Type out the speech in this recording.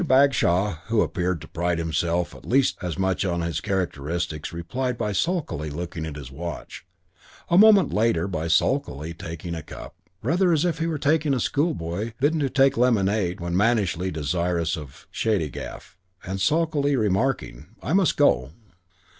Bagshaw, who appeared to pride himself at least as much on his characteristics, replied by sulkily looking at his watch; and a moment later by sulkily taking a cup, rather as if he were a schoolboy bidden to take lemonade when mannishly desirous of shandygaff, and sulkily remarking, "I must go."